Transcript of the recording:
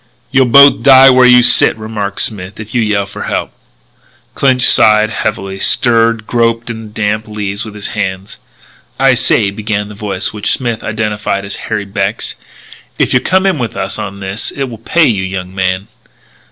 "You'll both die where you sit," remarked Smith, "if you yell for help." Clinch sighed heavily, stirred, groped on the damp leaves with his hands. "I say," began the voice which Smith identified as Harry Beck's, "if you'll come in with us on this it will pay you, young man."